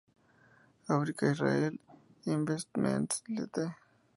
Africa-Israel Investments Ltd.